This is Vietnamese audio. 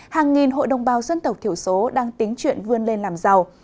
hàng nghìn hội đồng bào dân tộc thiểu số đang tính chuyện vươn lên làm giàu